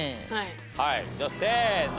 はいじゃあせーの。